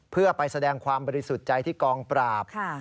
เพื่อไปแสดงความบริสุทธิ์ใจที่กองปราบ